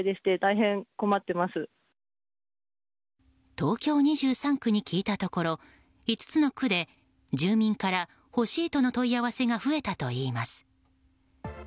東京２３区に聞いたところ５つの区で住民から欲しいとの問い合わせが増えたといいます。